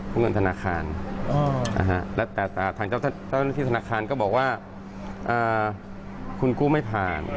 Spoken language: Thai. เงินธนาคารแล้วแต่ทางเจ้าหน้าที่ธนาคารก็บอกว่าคุณกู้ไม่ผ่าน